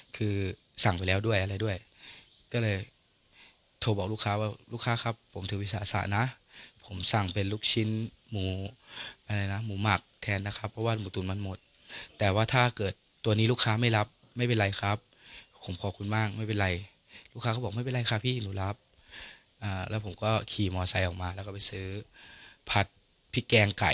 คือสั่งไปแล้วด้วยอะไรด้วยก็เลยโทรบอกลูกค้าว่าลูกค้าครับผมถือวิสาสะนะผมสั่งเป็นลูกชิ้นหมูอะไรนะหมูหมักแทนนะครับเพราะว่าหมูตุ๋นมันหมดแต่ว่าถ้าเกิดตัวนี้ลูกค้าไม่รับไม่เป็นไรครับผมขอบคุณมากไม่เป็นไรลูกค้าก็บอกไม่เป็นไรค่ะพี่หนูรับแล้วผมก็ขี่มอไซค์ออกมาแล้วก็ไปซื้อผัดพริกแกงไก่